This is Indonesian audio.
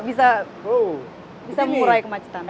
bisa mengurai kemacetan